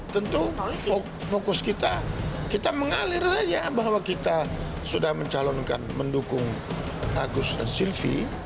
tentu fokus kita kita mengalir saja bahwa kita sudah mencalonkan mendukung agus dan silvi